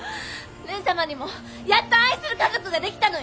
蓮様にもやっと愛する家族ができたのよ！